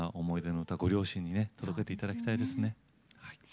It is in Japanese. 思い出の歌ご両親に届けて頂きたいですね。